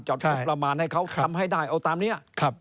งบประมาณให้เขาทำให้ได้เอาตามนี้